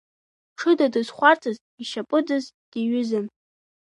Ҽыда дызхәарҭаз, ишьапыдаз диҩызан.